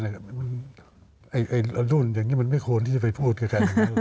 อายุรุ่นอย่างนี้มันไม่โคตรที่จะไปพูดกัน